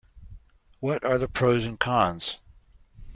What are the pros and cons?